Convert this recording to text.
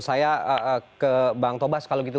saya ke bang tobas kalau gitu